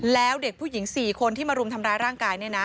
แล้วเด็กผู้หญิง๔คนที่มารุมทำร้ายร่างกาย